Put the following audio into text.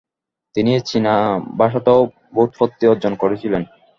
তিনি চিনাভাষাতেও ব্যুৎপত্তি অর্জন করেছিলেন।